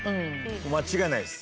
間違いないです。